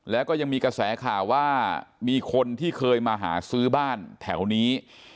แล้วก็ยังมีกระแสข่าวว่ามีคนที่เคยมาหาซื้อบ้านแถวนี้